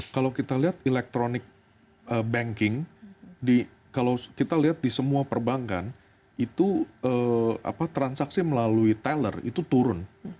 kalau kita lihat electronic banking kalau kita lihat di semua perbankan itu transaksi melalui teller itu turun